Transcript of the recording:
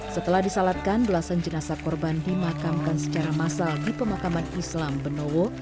setelah disalatkan belasan jenazah korban dimakamkan secara massal di pemakaman islam benowo